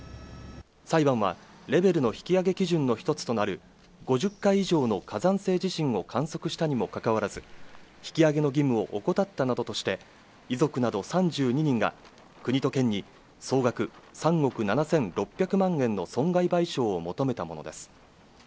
裁判は、レベルの引き上げ基準の一つとなる、５０回以上の火山性地震を観測したにもかかわらず、引き上げの義務を怠ったなどとして、遺族など３２人が、国と県に総額３億７６００万円の損害賠償を求めたものです。